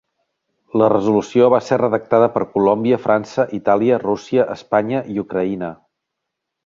La resolució va ser redactada per Colòmbia, França, Itàlia, Rússia, Espanya i Ucraïna.